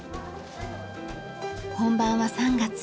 本番は３月。